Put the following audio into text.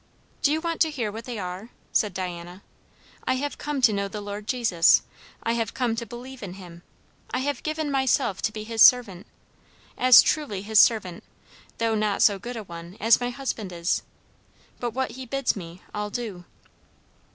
"Do you want to hear what they are?" said Diana. "I have come to know the Lord Jesus I have come to believe in him I have given myself to be his servant. As truly his servant, though not so good a one, as my husband is. But what he bids me, I'll do."